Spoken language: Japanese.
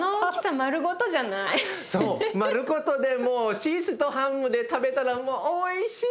丸ごとでもうチーズとハムで食べたらもうおいしい。